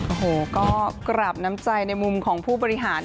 โอ้โหก็กราบน้ำใจในมุมของผู้บริหาร